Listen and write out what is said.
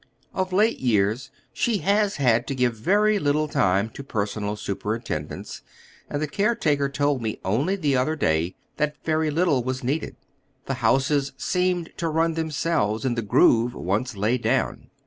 Of late years she has had to give very little time to personal superintend ence, and the care taker told me only the other day that very little was needed. The houses seemed to run tliem selvea in the groove once laid down.